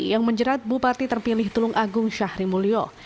yang menjerat bupati terpilih tulung agung syahrimulyo